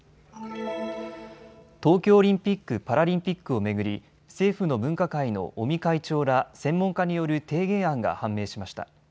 東京オリンピック・パラリンピックを巡り政府の分科会の尾身会長ら専門家による提言案が判明しました。